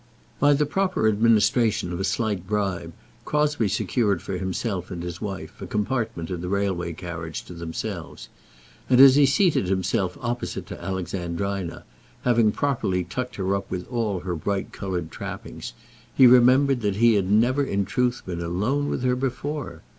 By the proper administration of a slight bribe Crosbie secured for himself and his wife a compartment in the railway carriage to themselves. And as he seated himself opposite to Alexandrina, having properly tucked her up with all her bright coloured trappings, he remembered that he had never in truth been alone with her before.